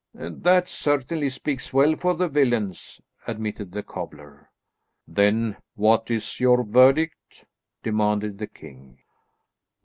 "That certainly speaks well for the villains," admitted the cobbler. "Then what is your verdict," demanded the king.